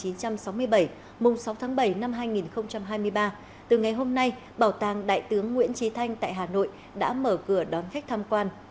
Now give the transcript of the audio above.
năm một nghìn chín trăm sáu mươi bảy mùng sáu tháng bảy năm hai nghìn hai mươi ba từ ngày hôm nay bảo tàng đại tướng nguyễn trì thanh tại hà nội đã mở cửa đón khách tham quan